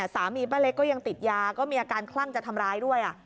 ป้าเล็กก็ยังติดยาก็มีอาการคลั่งจะทำร้ายด้วย